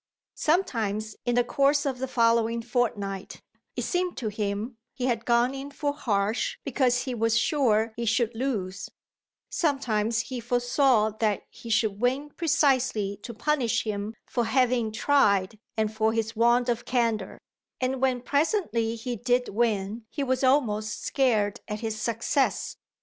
Sometimes in the course of the following fortnight it seemed to him he had gone in for Harsh because he was sure he should lose; sometimes he foresaw that he should win precisely to punish him for having tried and for his want of candour; and when presently he did win he was almost scared at his success.